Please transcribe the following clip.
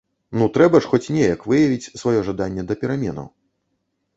Ну трэба ж хоць неяк выявіць сваё жаданне да пераменаў?